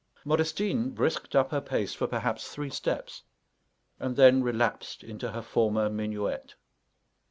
Modestine brisked up her pace for perhaps three steps, and then relapsed into her former minuet.